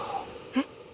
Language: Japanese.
えっ？